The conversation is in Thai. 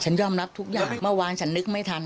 ยอมรับทุกอย่างเมื่อวานฉันนึกไม่ทัน